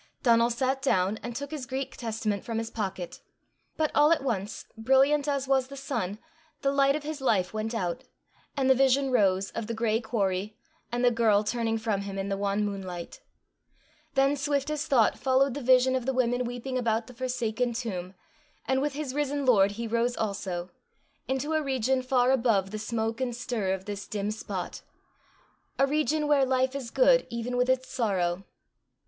Donal sat down, and took his Greek Testament from his pocket. But all at once, brilliant as was the sun, the light of his life went out, and the vision rose of the gray quarry, and the girl turning from him in the wan moonlight. Then swift as thought followed the vision of the women weeping about the forsaken tomb; and with his risen Lord he rose also into a region far "above the smoke and stir of this dim spot," a region where life is good even with its sorrow.